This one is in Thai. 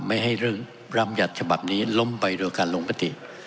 ไม่ให้เรื่องรำยัติฉบับนี้ล้มไปโดยการลงมติ